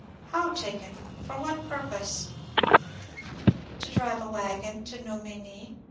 How taken ? For what purpose ?"To drive a wagon to Nom^ny."